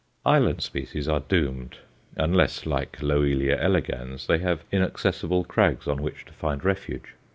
Island species are doomed, unless, like Loelia elegans, they have inaccessible crags on which to find refuge.